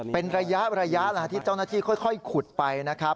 เป็นระยะที่เจ้าหน้าที่ค่อยขุดไปนะครับ